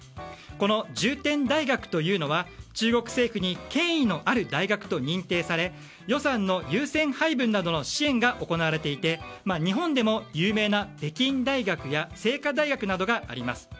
この重点大学というのは中国政府に権威のある大学と認定され予算の優先配分などの支援が行われていて日本でも有名な北京大学や清華大学などがあります。